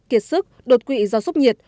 kiệt sức đột quỵ do sốc nhiệt